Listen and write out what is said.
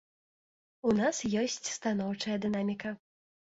У нас ёсць станоўчая дынаміка.